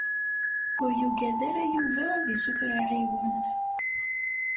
Ur yugad ara Yuba ad isuter aɛiwen.